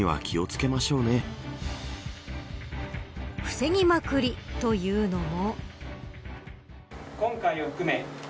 防ぎまくりというのも。